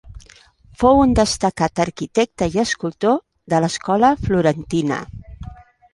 Fou un destacat arquitecte i escultor de l'escola florentina.